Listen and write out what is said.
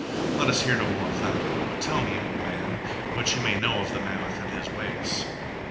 Let us hear no more of them. But tell me, O man, what you may know of the mammoth and his ways."